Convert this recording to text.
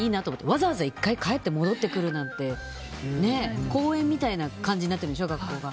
わざわざ１回帰って戻ってくるなんて公園みたいな感じになってるんでしょ、学校が。